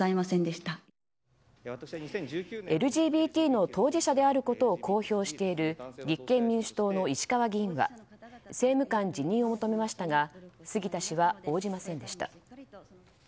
ＬＧＢＴの当事者であることを公表している立憲民主党の石川議員は政務官辞任を求めましたが杉田氏は応じませんでした。